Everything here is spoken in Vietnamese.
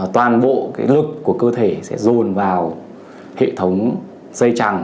toàn bộ lực của cơ thể sẽ dồn vào hệ thống dây chẳng